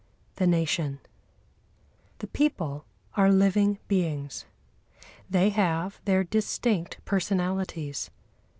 THE NATION The peoples are living beings. They have their distinct personalities.